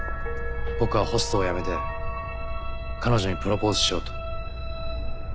僕はホストをやめて彼女にプロポーズしようと。